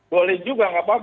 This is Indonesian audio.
boleh juga enggak pak